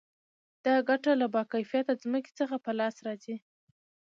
دا ګټه له با کیفیته ځمکې څخه په لاس راځي